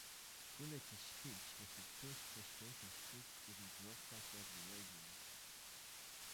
Coolidge's speech was the first presidential speech to be broadcast over the radio.